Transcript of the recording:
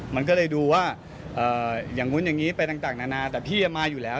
มันก็เลยดูว่าอย่างนู้นอย่างนี้ไปต่างนานาแต่พี่มาอยู่แล้ว